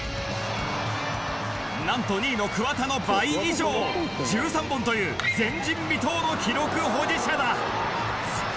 なんと２位の桑田の倍以上１３本という前人未到の記録保持者だ。